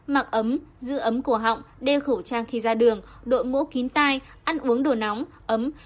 mặc ấm giữ ấm cổ họng đeo khẩu trang khi ra đường đội mũ kín tai ăn uống đồ nóng ấm